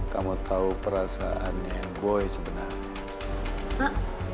kamu tahu perasaannya yang boy sebenarnya